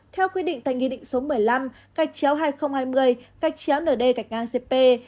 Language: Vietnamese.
theo quy định tại nghị định số một mươi năm gạch chéo hai nghìn hai mươi cách chéo nd gạch ngang cp